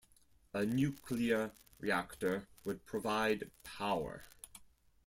A nuclear reactor would provide power.